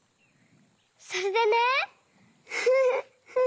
それでね。